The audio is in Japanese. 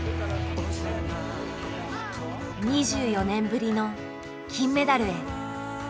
２４年ぶりの金メダルへ。